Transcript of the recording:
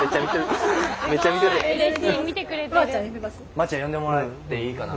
まーちゃん呼んでもらっていいかな。